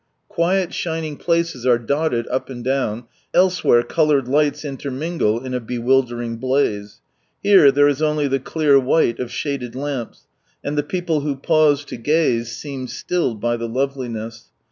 Quiet ^^^^^^1 ". shining places are dotted up and down, elsewhere coloured lights ^^^^^^r j I intermingle in a bewildering blaze. Here, there is only the clear white of shaded lamps; and the people who pause to gaze seem stilled by the loveliness.